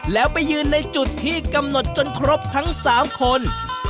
แล้วไปยืนในจุดที่กำหนดจนครบทั้ง๓คน